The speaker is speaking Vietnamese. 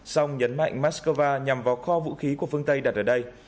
xong nhấn mạnh moskova nhằm vào kho vũ khí của phương tây đặt ở đây